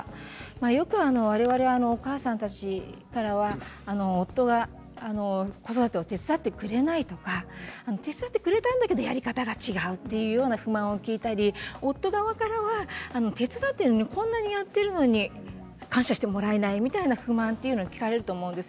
よく、われわれはお母さんたちからは夫が子育てを手伝ってくれないとか手伝ってくれたんだけどやり方が違うというような不満を聞いたり夫側からは、手伝っているのにこんなにやっているのに感謝してもらえないみたいな不満が聞かれるると思うんです。